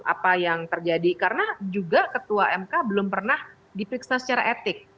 apa yang terjadi karena juga ketua mk belum pernah diperiksa secara etik